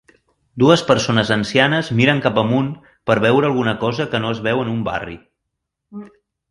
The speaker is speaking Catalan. Dues persones ancianes miren cap amunt per veure alguna cosa que no es veu en un barri.